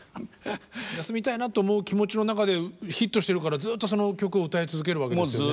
休みたいなと思う気持ちの中でヒットしてるからずっとその曲を歌い続けるわけですよね。